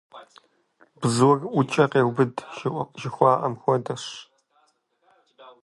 Бзур ӀукӀэ къеубыд, жыхуаӀэм хуэдэщ.